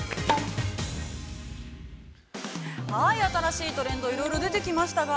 ◆はい、新しいトレンド、いろいろ出てきましたが。